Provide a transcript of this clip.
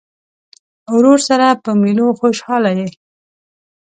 ورور سره په مېلو خوشحاله یې.